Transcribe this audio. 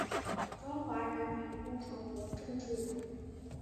中华人民共和国政治人物。